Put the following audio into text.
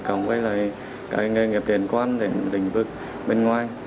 cộng với lại cái nghề nghiệp liên quan đến lĩnh vực bên ngoài